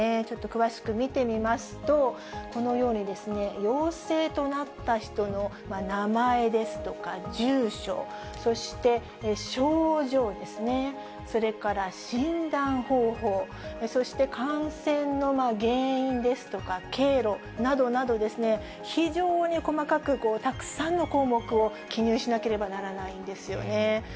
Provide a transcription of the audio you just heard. ちょっと詳しく見てみますと、このように陽性となった人の名前ですとか住所、そして症状ですね、それから診断方法、そして感染の原因ですとか、経路などなど、非常に細かくたくさんの項目を記入しなければならないんですよね。